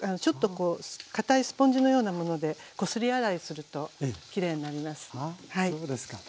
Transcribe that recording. ちょっとかたいスポンジのようなものでこすり洗いするときれいになります。